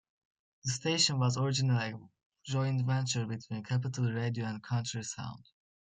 The station was originally a joint venture between Capital Radio and County Sound.